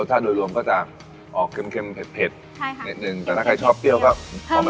ถ่านยังไงเอ๋ยวิธีการทำ